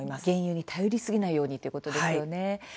原油に頼りすぎないように、ということですよね。